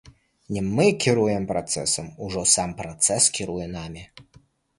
Не мы кіруе працэсам, ужо сам працэс кіруе намі.